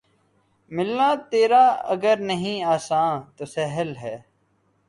ملنا تیرا اگر نہیں آساں‘ تو سہل ہے